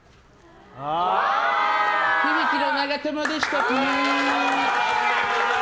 響の長友でした。